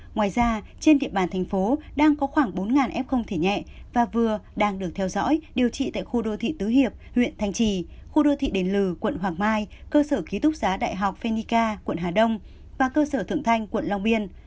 ngoài ra trên địa bàn thành phố đang có khoảng bốn f không thể nhẹ và vừa đang được theo dõi điều trị tại khu đô thị tứ hiệp huyện thanh trì khu đô thị đền lừ quận hoàng mai cơ sở ký túc xá đại học phenica quận hà đông và cơ sở thượng thanh quận long biên